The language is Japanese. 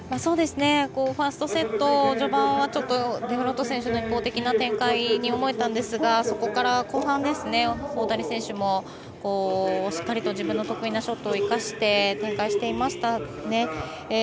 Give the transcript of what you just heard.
ファーストセット序盤はデフロート選手の一方的な展開に思えたんですがそこから後半、大谷選手もしっかりと自分の得意なショットを生かして展開していました。